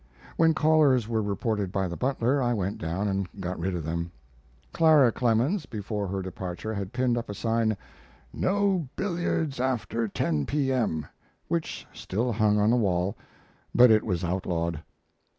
When callers were reported by the butler, I went down and got rid of them. Clara Clemens, before her departure, had pinned up a sign, "NO BILLIARDS AFTER 10 P.M.," which still hung on the wall, but it was outlawed.